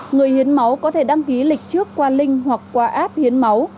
người hiến máu có thể đăng ký lịch trước qua linh hoặc qua app hiến máu